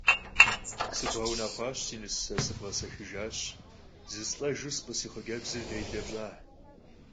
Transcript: Sıbğeunexhuaş, si nıse, sıbğesexıjjaş, zızğelh'ejju sp'ı si xhıcebzır dêle pş'aş.